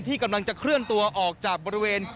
กำลังจะเคลื่อนตัวออกจากบริเวณ